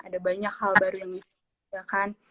ada banyak hal baru yang bisa dikerjakan